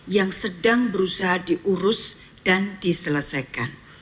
yang sedang berusaha diurus dan diselesaikan